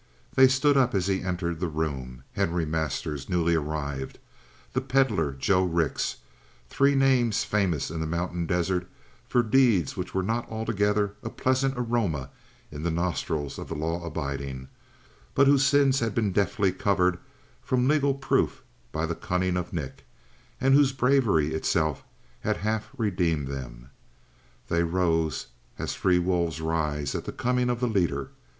They stood up as he entered the room Harry Masters, newly arrived the Pedlar Joe Rix three names famous in the mountain desert for deeds which were not altogether a pleasant aroma in the nostrils of the law abiding, but whose sins had been deftly covered from legal proof by the cunning of Nick, and whose bravery itself had half redeemed them. They rose now as three wolves rise at the coming of the leader.